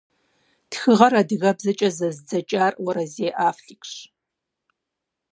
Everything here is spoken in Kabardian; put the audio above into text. Тхыгъэр адыгэбзэкӀэ зэзыдзэкӀар Уэрэзей Афликщ.